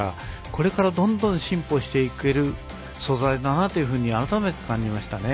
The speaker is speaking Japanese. これからどんどん進歩していける素材だなと改めて感じましたね。